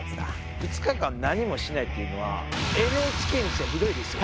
２日間何もしないっていうのはＮＨＫにしてはひどいですよ。